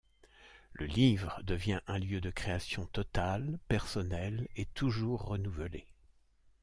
Le livre devient un lieu de création totale, personnelle, et toujours renouvelée.